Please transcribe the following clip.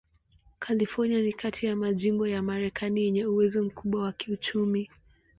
California ni kati ya majimbo ya Marekani yenye uwezo mkubwa wa kiuchumi.